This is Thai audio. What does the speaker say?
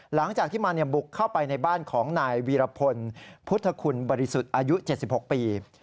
หลังจากที่มันบุกเข้าไปในบ้านของนายวีรพลพุทธคุณบริสุทธิ์อายุ๗๖ปี